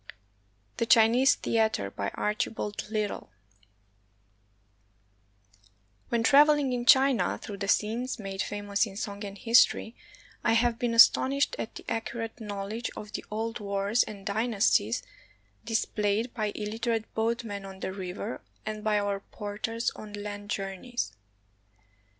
THE CHINESE THEATER BY ARCHIBALD LITTLE When traveling in China through the scenes made famous in song and history, I have been astonished at the accurate knowledge of the old wars and dynasties displayed by ilUterate boatmen on the river and by our porters on land journeys.